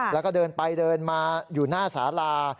แล้วก็เดินไปเดินมาอยู่หน้าสาลา